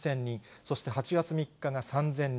そして８月３日が３０００人。